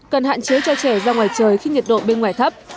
cần hạn chế cho trẻ ra ngoài trời khi nhiệt độ bên ngoài thấp